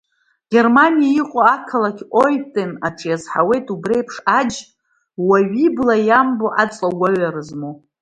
Германиа иҟоу ақалақь Оитен аҿы иазҳауеит убри еиԥш аџь, уаҩы ибла иамбо аҵлагәаҩара змоу.